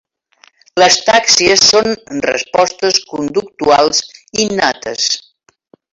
Les tàxies són respostes conductuals innates.